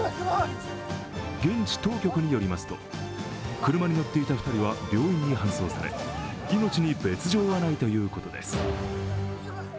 現地当局によりますと、車に乗っていた２人は病院に搬送され、命に別状はないということです。